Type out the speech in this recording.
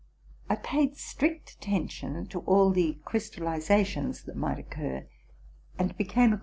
I paid strict attention to all the crystallizations that might occur, and became ac.